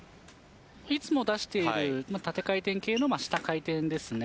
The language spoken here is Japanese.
いつも出している縦回転系の下回転ですね。